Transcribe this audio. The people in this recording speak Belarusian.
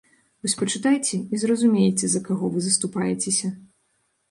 Вось пачытайце, і зразумееце, за каго вы заступаецеся.